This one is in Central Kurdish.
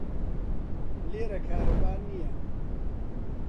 لێرە کارەبا نییە.